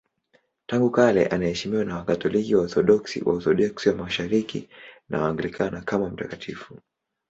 Tangu kale anaheshimiwa na Wakatoliki, Waorthodoksi, Waorthodoksi wa Mashariki na Waanglikana kama mtakatifu.